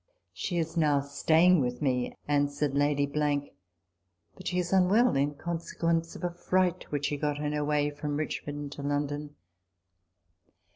" She is now staying with me," answered Lady ," but she is unwell in conse quence of a fright which she got on her way from Richmond to London."